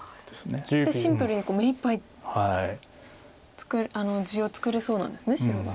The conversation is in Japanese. シンプルに目いっぱい地を作れそうなんですね白は。